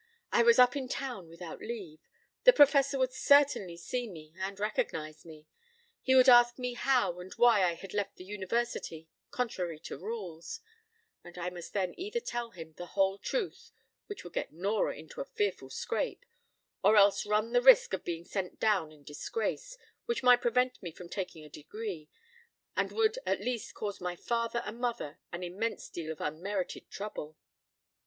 I was up in town without leave; the Professor would certainly see me and recognize me; he would ask me how and why I had left the University, contrary to rules; and I must then either tell him the whole truth, which would get Nora into a fearful scrape, or else run the risk of being sent down in disgrace, which might prevent me from taking a degree, and would at least cause my father and mother an immense deal of unmerited trouble.